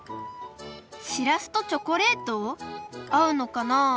しらすとチョコレート？あうのかな？